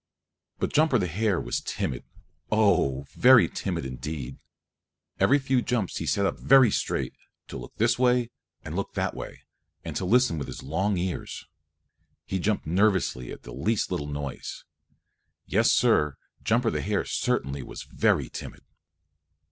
But Jumper the Hare was timid, oh, very timid indeed. Every few jumps he sat up very straight to look this way and look that way, and to listen with his long ears. He jumped nervously at the least little noise. Yes, Sir, Jumper the Hare certainly was very timid.